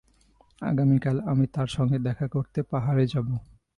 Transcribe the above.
আগামী কাল আমি তাঁর সঙ্গে দেখা করতে পাহাড়ে যাব।